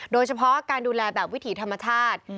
โดยเฉพาะการดูแลแบบวิถีธรรมชาติ